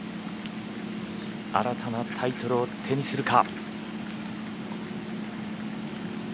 新たなタイトルを手にするか。